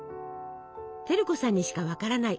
照子さんにしか分からない